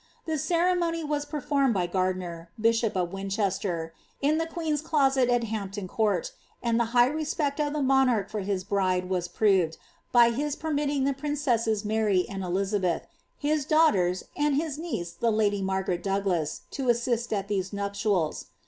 The ceremony was performed by Gai* ner, bishop of Winchester, in the queen's closet at Hampton Court; i™ the high respcrt of the monarch for his bride was proved, by his pe^ mitting th^ p:in(*(sses .Mary and Elizabeth, his daughters and his niecfi the la ly Margaret Douglas, to assist at these nuptials.'